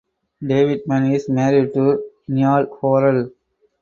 Davidman is married to Neal Horrell.